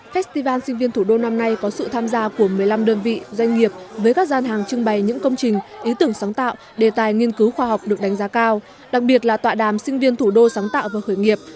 festival sinh viên thủ đô năm nay có sự tham gia của một mươi năm đơn vị doanh nghiệp với các gian hàng trưng bày những công trình ý tưởng sáng tạo đề tài nghiên cứu khoa học được đánh giá cao đặc biệt là tọa đàm sinh viên thủ đô sáng tạo và khởi nghiệp